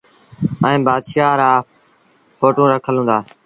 ائيٚݩ بآشآهآن رآ ڦوٽو رکل هُݩدآ۔